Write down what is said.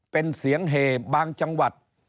เป็นเสียงเหบางจังหวัด